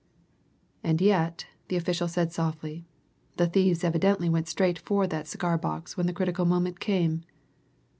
"And yet," said the official softly, "the thieves evidently went straight for that cigar box when the critical moment came.